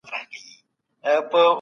ټولنيز علوم د زیاتو ستونزو سره مخ دي.